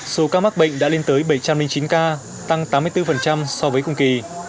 số ca mắc bệnh đã lên tới bảy trăm linh chín ca tăng tám mươi bốn so với cùng kỳ